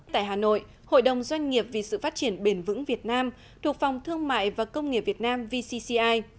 tại hà nội hội đồng doanh nghiệp vì sự phát triển bền vững việt nam thuộc phòng thương mại và công nghiệp việt nam vcci